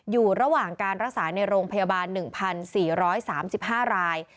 อยู่ระหว่างการรักษาในโรงพยาบาล๑๔๓๕ราย